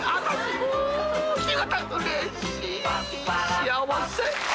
幸せ！］